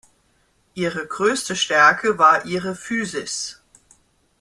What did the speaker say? Ihre größte Stärke war ihre Physis.